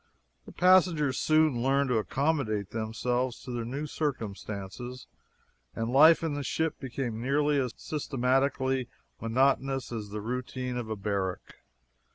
The passengers soon learned to accommodate themselves to their new circumstances, and life in the ship became nearly as systematically monotonous as the routine of a barrack.